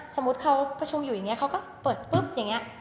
อยู่อย่างเงี้ยเขาก็เปิดปุ๊บอย่างเงี้ย